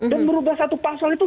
dan merubah satu pasal itu